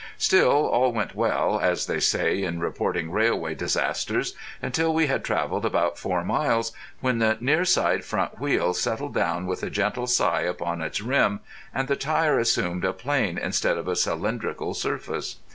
Still, all went well, as they say in reporting railway disasters, until we had travelled about four miles, when the near side front wheel settled down with a gentle sigh upon its rim, and the tyre assumed a plane instead of a cylindrical surface.